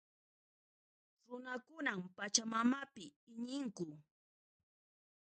Runakunan Pachamamapi iñinku.